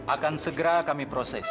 akan segera kami proses